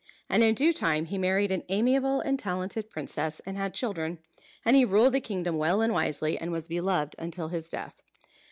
And in due time he married an amiable and talented princess, and had children. And he ruled the kingdom well and wisely, and was beloved till his death.